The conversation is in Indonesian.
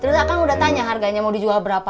ternyata akang udah tanya harganya mau dijual berapa